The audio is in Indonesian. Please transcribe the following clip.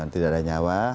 tidak ada nyawa